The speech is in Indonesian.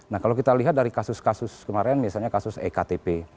nah kalau kita lihat dari kasus kasus kemarin misalnya kasus ektp